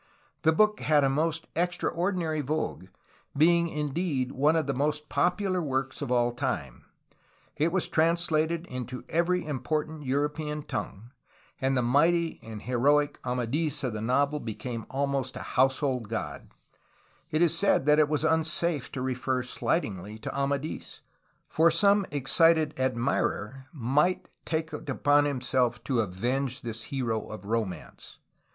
The book had a most extraordinary vogue, being indeed one of the most popular works of all time. It was translated into every important European tongue, and the mighty and heroic Amadis of the novel be came almost a household god ; it is said that it was unsafe to refer slightingly to Amadis, for some excited admirer might take it upon himself to avenge this hero of romance.